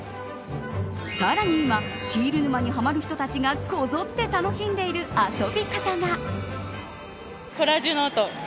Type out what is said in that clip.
さらに今シール沼にハマる人たちがこぞって楽しんでいる遊び方が。